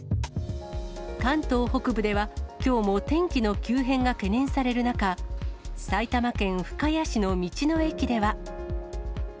関東北部では、きょうも天気の急変が懸念される中、埼玉県深谷市の道の駅では。